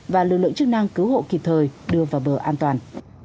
và lực lượng chức năng cứu hộ kịp thời đưa vào bờ an toàn